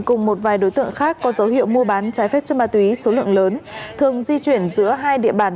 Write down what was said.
cùng một vài đối tượng khác có dấu hiệu mua bán trái phép chất ma túy số lượng lớn thường di chuyển giữa hai địa bàn